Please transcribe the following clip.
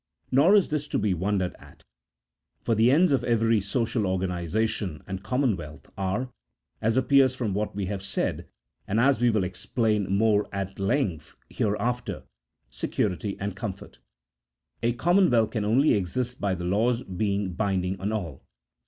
Nor is this to be wondered at ; for the ends of every social or ganization and commonwealth are (as appears from what we have said, and as we will explain more at length here after) security and comfort ; a commonwealth can only exist by the laws being binding on all.